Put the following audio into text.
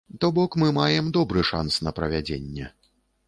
То бок мы маем добры шанс на правядзенне.